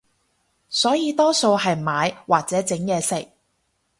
所以多數係買或者整嘢食